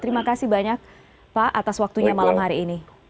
terima kasih banyak pak atas waktunya malam hari ini